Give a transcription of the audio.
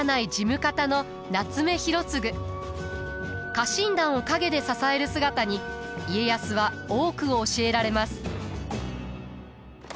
家臣団を陰で支える姿に家康は多くを教えられます。